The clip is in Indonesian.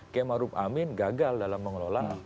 kemaruf amin gagal dalam mengelola